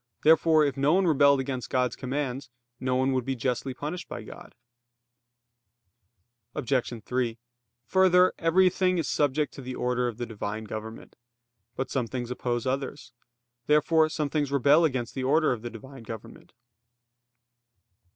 Therefore if no one rebelled against God's commands, no one would be justly punished by God. Obj. 3: Further, everything is subject to the order of the Divine government. But some things oppose others. Therefore some things rebel against the order of the Divine government.